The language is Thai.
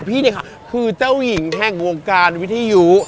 พี่เนี่ยค่ะคือเจ้าหญิงแห่งวงการวิทยุ